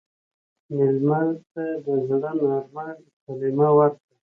مېلمه ته د زړه نرمه کلمه ورکړه.